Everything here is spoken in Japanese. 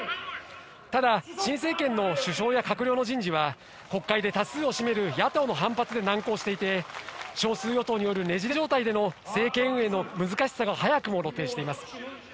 ただ新政権の首相や閣僚の人事は国会で多数を占める野党の反発で難航していて、少数与党によるねじれ状態での政権運営の難しさが早くも露呈しています。